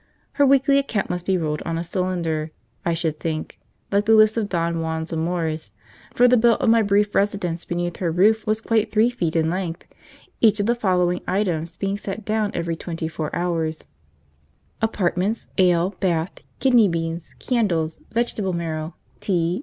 Her weekly account must be rolled on a cylinder, I should think, like the list of Don Juan's amours, for the bill of my brief residence beneath her roof was quite three feet in length, each of the following items being set down every twenty four hours: Apartments. Ale. Bath. Kidney beans. Candles. Vegetable marrow. Tea.